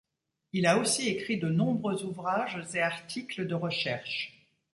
Il a aussi écrit de nombreux ouvrages et articles de recherche.